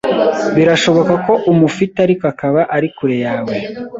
birashoboka ko umufite ariko akaba ari kure yawe